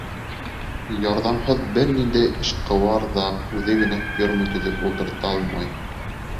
Ярҙамһыҙ бер ниндәй эшҡыуар ҙа үҙе генә ферма төҙөп ултырта алмай.